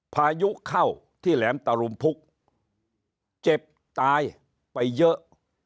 พายุเข้าที่แหลมตะลุมพุกเจ็บตายไปเยอะ